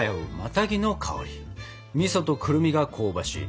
みそとくるみが香ばしい